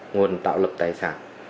nguồn tạo lực tài sản